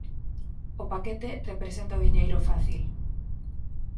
O paquete representa o diñeiro fácil.